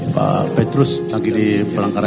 pak petrus lagi di palangkaraya